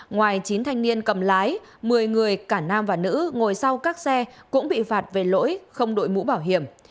ngoài chín thanh niên cầm lái một mươi người cả nam và nữ ngồi sau các xe cũng bị phạt về lỗi không đội mũ bảo hiểm